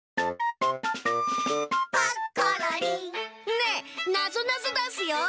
ねえなぞなぞだすよ。